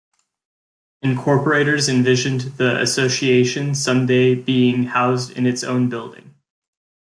Incorporators envisioned the Association someday being housed in its own building.